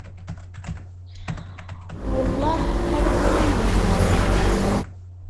Welleh ara ken-in-dehneɣ.